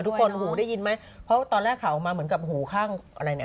หูได้ยินไหมเพราะตอนแรกข่าวออกมาเหมือนกับหูข้างอะไรเนี่ย